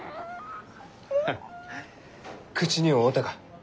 フッ口に合うたか？